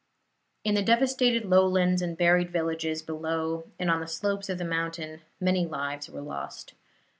In the devastated lowlands and buried villages below and on the slopes of the mountain many lives were lost.